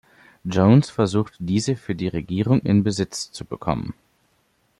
Jones versucht, diese für die Regierung in Besitz zu bekommen.